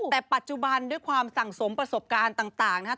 แต่ปัจจุบันด้วยความสั่งสมประสบการณ์ต่างนะครับ